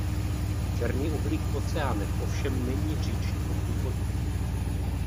Černý uhlík v oceánech ovšem není říčního původu.